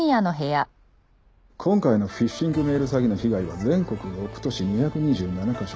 今回のフィッシングメール詐欺の被害は全国６都市２２７カ所。